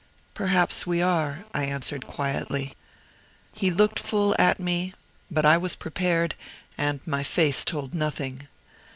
"Perhaps we are," I answered, quietly. He looked full at me; but I was prepared, and my face told nothing.